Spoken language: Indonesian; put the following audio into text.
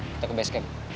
kita ke base camp